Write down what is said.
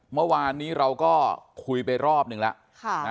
เมื่อวานนี้เราก็คุยไปรอบนึงละค่ะ